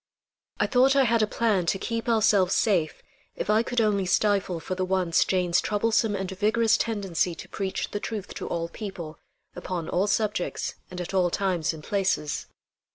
I thought I had a plan to keep ourselves safe if I could only stifle for the once Jane's troublesome and vigorous tendency to preach the truth to all people, upon all subjects and at all times and places.